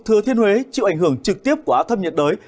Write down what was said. thừa thiên huế chịu ảnh hưởng trực tiếp của áo thâm nhiệt đới